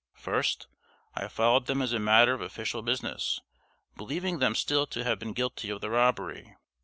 First, I followed them as a matter of official business, believing them still to have been guilty of the robbery.